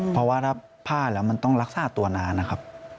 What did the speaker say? เพราะว่าถ้าผ้าแล้วมันต้องรักษาตัวนานนะครับ